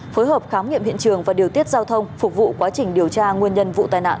phối hợp khám nghiệm hiện trường và điều tiết giao thông phục vụ quá trình điều tra nguyên nhân vụ tai nạn